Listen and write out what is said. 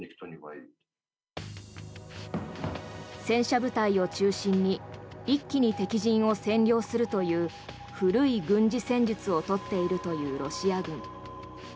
戦車部隊を中心に一気に敵陣を占領するという古い軍事戦術を取っているというロシア軍。